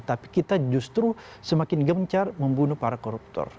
tapi kita justru semakin gencar membunuh para koruptor